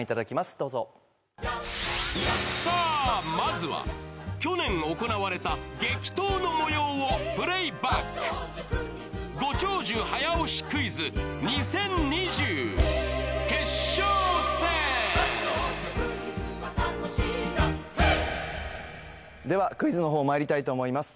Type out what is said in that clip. どうぞさあまずは去年行われた激闘の模様をプレイバック決勝戦ではクイズの方まいりたいと思います